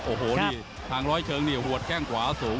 โอโหทางรอยเชิงหัวเจ้งขวาหัวขวาสูง